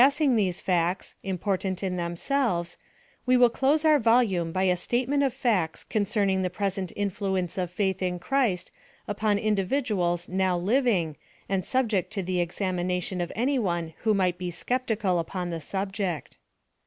Passing these facts, important in themselves^ we will clost. our volume by a statement of facts concerning the present in fluence of faith in Christ upon individuals now liv ing, and subject to the examination of any one who might be skeptical upon the subject.